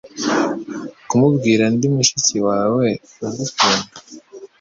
Kumubwira Ndi mushiki wawe ugukunda